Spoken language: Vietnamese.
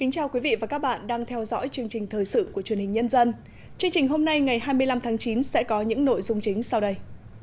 chương trình hôm nay ngày hai mươi năm tháng chín sẽ có những nội dung chính sau đây